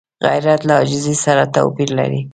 غیرت له عاجزۍ سره توپیر لري